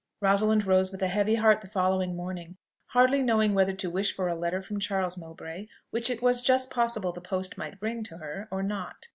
Rosalind rose with a heavy heart the following morning, hardly knowing whether to wish for a letter from Charles Mowbray, which it was just possible the post might bring her, or not.